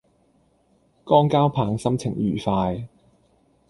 江交棒心情愉快